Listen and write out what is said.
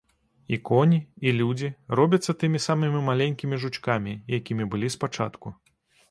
І коні, і людзі робяцца тымі самымі маленькімі жучкамі, якімі былі спачатку.